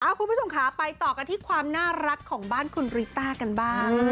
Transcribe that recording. คุณผู้ชมค่ะไปต่อกันที่ความน่ารักของบ้านคุณริต้ากันบ้าง